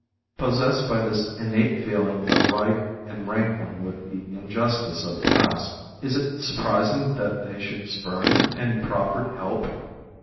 Possessed by this innate feeling of right and rankling with the injustice of the past, is it surprising that they should spurn any proffered help?